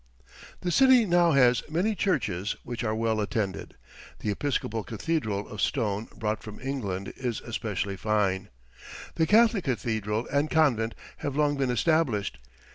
The city now has many churches, which are well attended. The Episcopal cathedral, of stone brought from England, is especially fine. The Catholic cathedral and convent have long been established.